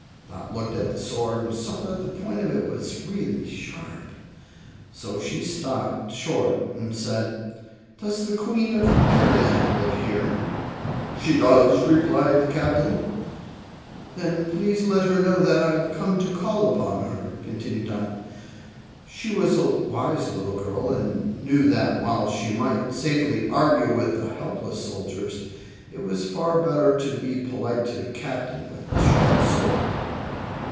Dot looked at the sword and saw that the point of it was really sharp. So she stopped short and said, "Does the Queen of Merryland live here?" "She does," replied the Captain. "Then please let her know that I have come to call upon her," continued Dot. She was a wise little girl, and knew that while she might safely argue with the helpless soldiers, it was far better to be polite to the Captain with the sharp sword.